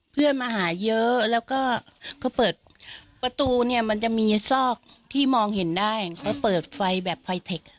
เพื่อนมาหาเยอะแล้วก็เขาเปิดประตูเนี่ยมันจะมีซอกที่มองเห็นได้เขาเปิดไฟแบบไฟเทค